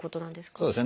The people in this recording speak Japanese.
そうですね。